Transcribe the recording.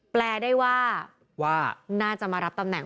แปลได้ว่าน่าจะมารับตำแหน